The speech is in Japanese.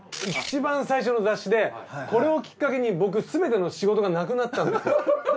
いちばん最初の雑誌でこれをきっかけに僕すべての仕事がなくなったんですよ。